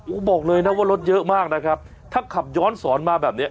โอ้โหบอกเลยนะว่ารถเยอะมากนะครับถ้าขับย้อนสอนมาแบบเนี้ย